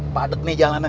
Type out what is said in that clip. padet nih jalanan jan